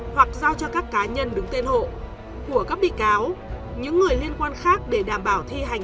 hoặc giao cho các cá nhân đứng tên hộ của các bị cáo những người liên quan khác để đảm bảo thi hành